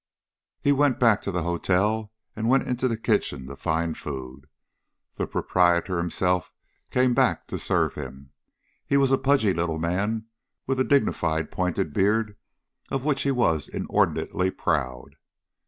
He went back to the hotel and went into the kitchen to find food. The proprietor himself came back to serve him. He was a pudgy little man with a dignified pointed beard of which he was inordinately proud.